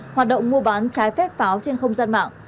hoạt động mua bán trái phép pháo trên không gian mạng